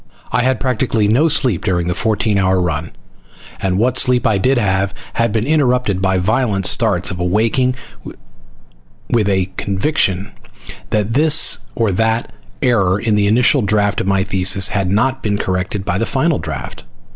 I had practically no sleep during the fourteen hour run, and what sleep I did have had been interrupted by violent starts of awaking with a conviction that this or that error in the initial draft of my thesis had not been corrected by the final draft.